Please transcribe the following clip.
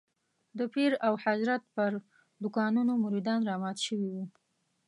د پیر او حضرت پر دوکانونو مريدان رامات شوي وو.